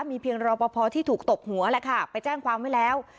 มีเพียงรอปภที่ถูกตบหัวแหละค่ะไปแจ้งความไว้แล้ว